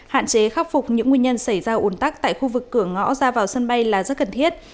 hạn chế khắc phục những nguyên nhân xảy ra ủn tắc tại khu vực cửa ngõ ra vào sân bay là rất cần thiết